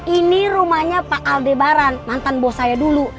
ini rumahnya pak aldebaran mantan bos saya dulu